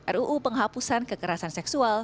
ruu penghapusan kekerasan seksual